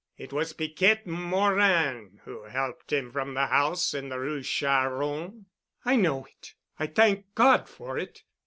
It was Piquette Morin who helped him from the house in the Rue Charron——" "I know it. I thank God for it."